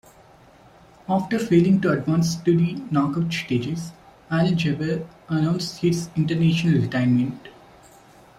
After failing to advance to the knockout stages, Al-Jaber announced his international retirement.